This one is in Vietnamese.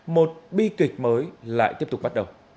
một bi kịch mới lại tiếp tục bắt đầu